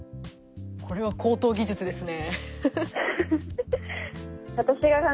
これは高等技術ですね。